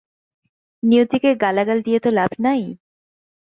নিয়তিকে গালাগাল দিয়ে তো লাভ নাই।